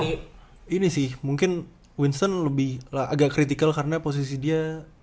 oh ini sih mungkin winston agak critical karena posisi dia